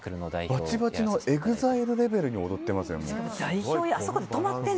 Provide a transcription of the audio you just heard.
バチバチのＥＸＩＬＥレベルで踊っていますよね。